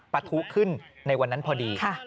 ปะทุขึ้นในวันนั้นพอดี